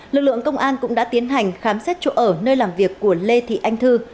lực lượng công an cũng đã tiến hành khám xét chỗ ở nơi làm việc của lê thị anh thư